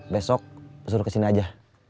besok suruh kesini aja